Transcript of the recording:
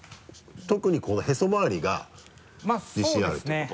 特にこのへそ周りが自信あるってこと？